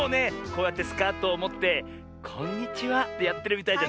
こうやってスカートをもって「こんにちは」ってやってるみたいじゃない？